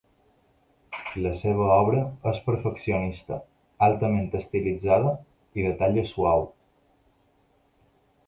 La seva obra és perfeccionista, altament estilitzada, i de talla suau.